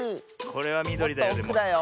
これはみどりだよ。